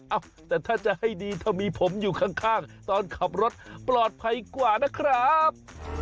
เอ้าแต่ถ้าจะให้ดีถ้ามีผมอยู่ข้างตอนขับรถปลอดภัยกว่านะครับ